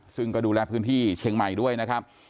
ซึ่งก็ดูแลพื้นที่เชียงใหม่ด้วยนะครับ